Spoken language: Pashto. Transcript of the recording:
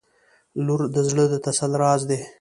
• لور د زړه د تسل راز دی.